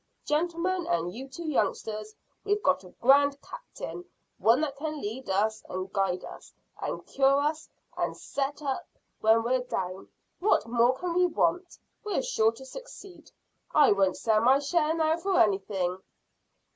Gentlemen, and you two youngsters, we've got a grand captain one that can lead us and guide us, and cure us, and set us up when we're down. What more can we want? We're sure to succeed. I won't sell my share now for anything."